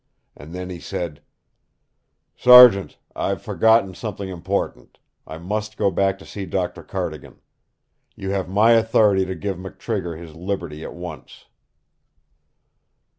And then he said: "'Sergeant, I've forgotten something important. I must go back to see Dr. Cardigan. You have my authority to give McTrigger his liberty at once!'"